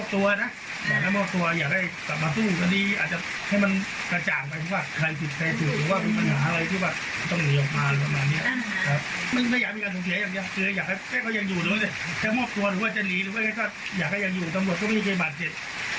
ทั้งหมดก็ไม่เคยบ่าเจ็ดก็จบจุดแอฟเปียสนิท